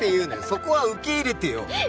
そこは受け入れてよ！